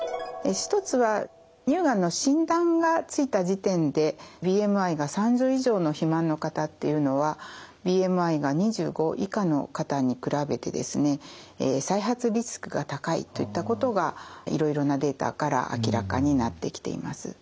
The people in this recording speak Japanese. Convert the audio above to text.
１つは乳がんの診断がついた時点でＢＭＩが３０以上の肥満の方っていうのはＢＭＩが２５以下の方に比べてですね再発リスクが高いといったことがいろいろなデータから明らかになってきています。